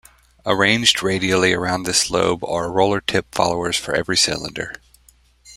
Arranged radially around this lobe are roller tip followers for every cylinder.